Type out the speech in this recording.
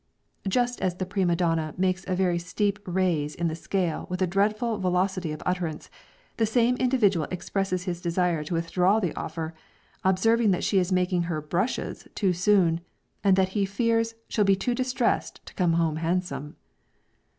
Just as the prima donna makes a very steep raise in the scale with a dreadful velocity of utterance, the same individual expresses his desire to withdraw the offer, observing that she is making her "brushes" too soon, and that he fears "she'll be too distressed to come home handsome."